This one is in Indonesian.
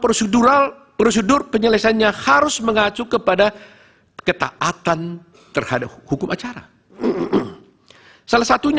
prosedural prosedur penyelesaiannya harus mengacu kepada ketaatan terhadap hukum acara salah satunya